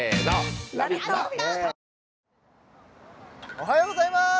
おはようございます